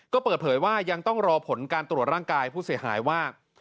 ก็เปิดเผยว่ายังต้องรอผลการตรวจร่างกายผู้เสียหายว่า